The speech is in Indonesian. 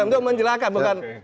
untuk menjelaskan bukan